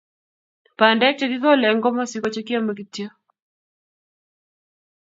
bandek chekikole eng komosi ko chekiomei kityo